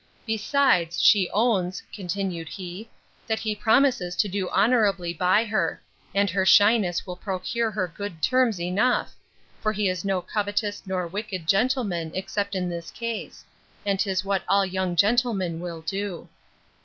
Besides, she owns, continued he, that he promises to do honourably by her; and her shyness will procure her good terns enough; for he is no covetous nor wicked gentleman, except in this case; and 'tis what all young gentlemen will do.